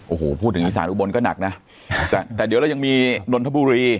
โอ้โหพูดถึงอีสานอุบลก็หนักนะแต่เดี๋ยวเรายังมีนนทบุรี